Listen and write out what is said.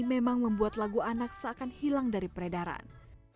memang membuat lagu anak seakan hilang dari peredaran